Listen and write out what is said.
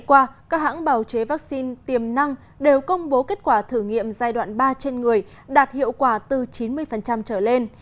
hôm qua các hãng bào chế vaccine tiềm năng đều công bố kết quả thử nghiệm giai đoạn ba trên người đạt hiệu quả từ chín mươi trở lên